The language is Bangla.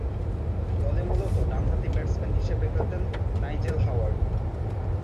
দলে মূলতঃ ডানহাতি ব্যাটসম্যান হিসেবে খেলতেন নাইজেল হাওয়ার্ড।